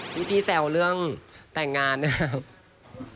ที่พี่แซวเรื่องแต่งงานนะครับ